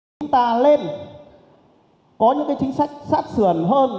chúng ta lên có những chính sách sát sườn hơn